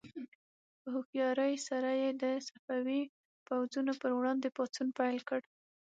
په هوښیارۍ سره یې د صفوي پوځونو پر وړاندې پاڅون پیل کړ.